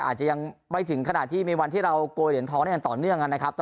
อาจจะยังไม่ถึงขนาดที่มีวันที่เราโกยเหรียญทองได้อย่างต่อเนื่องนะครับ